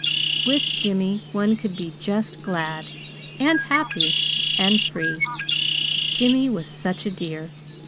With Jimmy one could be just glad, and happy, and free. Jimmy was such a dear!